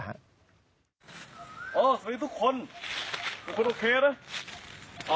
สวัสดีทุกคนทุกคนโอเคนะ